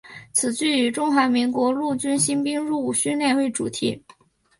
此剧以中华民国陆军新兵入伍训练作为主题。